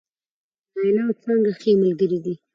نايله او څانګه ښې ملګرې دي